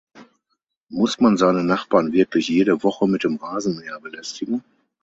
Muss man seine Nachbarn wirklich jede Woche mit dem Rasenmäher belästigen?